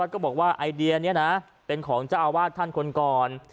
วัดก็บอกว่าเนี่ยนะคะเป็นของจ้าอวาดท่านคนกร